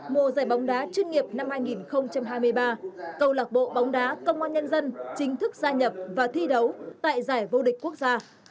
mùa giải bóng đá chuyên nghiệp năm hai nghìn hai mươi ba cầu lạc bộ bóng đá công an nhân dân chính thức gia nhập và thi đấu tại giải vô địch quốc gia